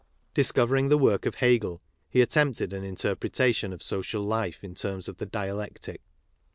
Discover ing the work of Hegel, he^alt«n£tedjinjntergretati^n_qf_ social life in terms of the dialectic.